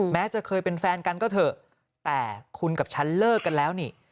แม้จะเคยเป็นแฟนกันก็เถอะแต่คุณกับฉันเลิกกันแล้วนี่